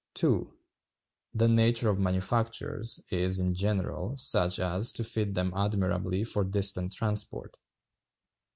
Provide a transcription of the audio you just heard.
(2.) The nature of manufactures is, in general, such as to fit them admirably for distant transport.